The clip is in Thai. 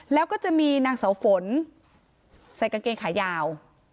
แล้วก็จะมีนางเสาฝนใส่กางเกงขายาว